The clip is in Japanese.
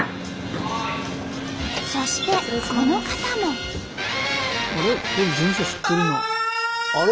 そしてこの方も。ああ！